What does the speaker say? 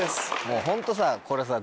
もうホントさこれさ。